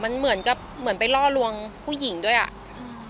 มันเหมือนกับเหมือนไปล่อลวงผู้หญิงด้วยอ่ะอืม